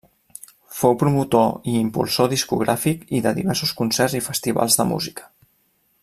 Fou promotor i impulsor discogràfic i de diversos concerts i festivals de música.